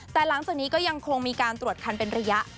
แต่หลังจากนี้ก็ยังคงมีการตรวจคันเป็นระยะ